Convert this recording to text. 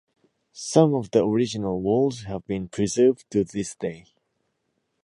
Some of the original walls have been preserved to this day.